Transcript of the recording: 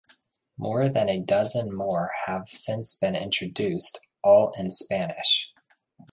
More than a dozen more have since been introduced, all in Spanish.